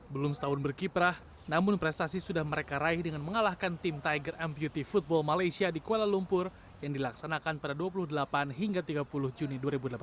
belum setahun berkiprah namun prestasi sudah mereka raih dengan mengalahkan tim tiger ampuative football malaysia di kuala lumpur yang dilaksanakan pada dua puluh delapan hingga tiga puluh juni dua ribu delapan belas